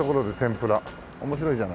面白いじゃないですか。